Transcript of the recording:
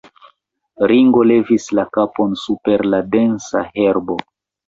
Ringo levis la kapon super la densa herbo.